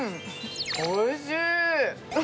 おいしい！